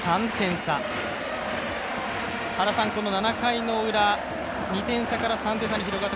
この７回のウラ、２点差から３点差に広がる